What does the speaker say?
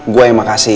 gue yang makasih